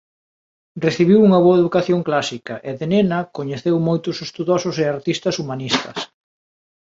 Recibiu unha boa educación clásica e de nena coñeceu moitos estudosos e artistas humanistas.